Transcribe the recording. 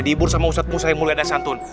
hibur sama ustaz musa yang mulia dasantun